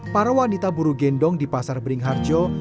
para wanita buru gendong di pasar beringharjo